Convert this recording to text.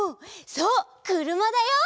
そうくるまだよ！